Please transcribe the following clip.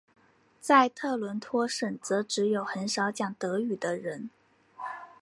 在特伦托省则只有很少讲德语的人。